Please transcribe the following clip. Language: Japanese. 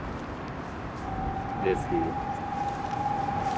レスキュー。